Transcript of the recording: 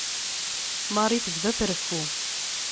Marie tebda treffu.